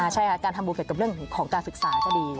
ใช่ค่ะการทำบุญเกี่ยวกับเรื่องของการศึกษาจะดี